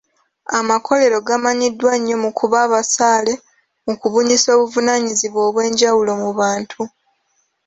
Amakolero gamanyiddwa nnyo mu kuba abasaale mu kubunyisa obuvunaanyizibwa obwenjawulo mu bantu.